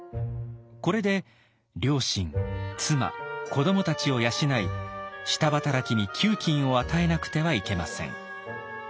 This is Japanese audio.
これで両親妻子どもたちを養い下働きに給金を与えなくてはいけません。